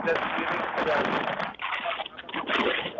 kejadian apa apa apa